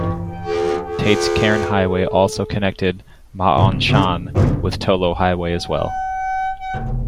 Tate's Cairn Highway also connected Ma On Shan with Tolo Highway as well.